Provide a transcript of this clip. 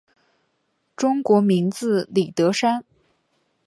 中国名字李德山。